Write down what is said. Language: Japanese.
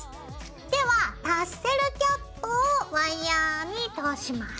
ではタッセルキャップをワイヤーに通します。